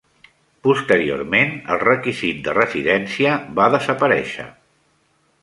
Posteriorment, el requisit de residència va desaparèixer.